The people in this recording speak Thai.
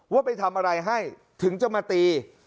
ว่าไปทำอะไรให้ถึงจะมาตี